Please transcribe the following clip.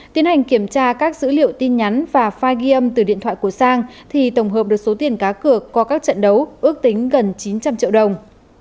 tiến hành kiểm tra các dữ liệu tin nhắn và file ghi âm từ điện thoại của sang thì tổng hợp được số tiền cá cược qua các trận đấu ước tính gần chín trăm linh triệu đồng